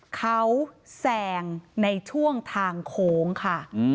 เขาแซงในช่วงทางโค้งค่ะ